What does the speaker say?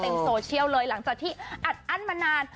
มาเต็มโซเชียลหลังจากที่อัดอั้นมานาน